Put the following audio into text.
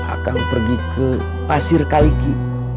akang pergi ke pasir kaiki